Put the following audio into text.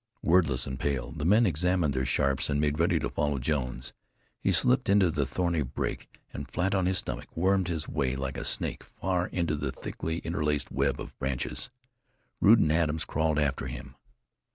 Wordless and pale, the men examined their Sharps, and made ready to follow Jones. He slipped into the thorny brake and, flat on his stomach, wormed his way like a snake far into the thickly interlaced web of branches. Rude and Adams crawled after him.